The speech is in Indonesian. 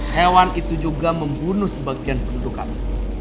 hewan itu juga membunuh sebagian penduduk kami